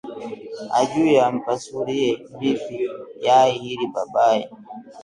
Hajui ampasulie vipi yai hili babake